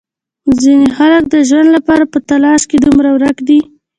ځینې خلک د ژوند لپاره په تلاش کې دومره ورک دي.